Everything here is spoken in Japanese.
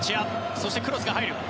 そしてクロスが入る。